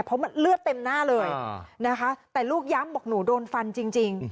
เพราะมันเลือดเต็มหน้าเลยนะคะแต่ลูกย้ำบอกหนูโดนฟันจริง